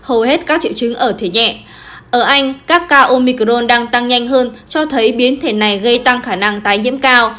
ở anh các ca omicron đang tăng nhanh hơn cho thấy biến thẻ này gây tăng khả năng tái nhiễm cao